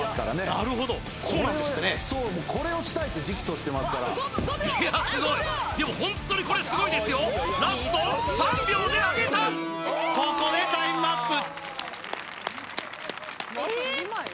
なるほどこれをしたいって直訴してますからいやすごいでもホントにこれすごいですよラスト３秒で上げたここでタイムアップ